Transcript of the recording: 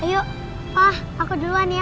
ayo wah aku duluan ya